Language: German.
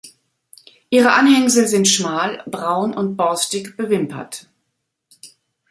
Ihre Anhängsel sind schmal, braun und borstig bewimpert.